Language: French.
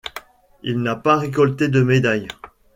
Il n'a pas récolté de médaille.